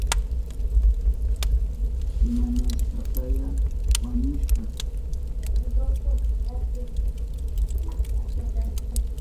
¿Imanashpataya wañushka?